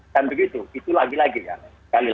dan begitu itu lagi lagi ya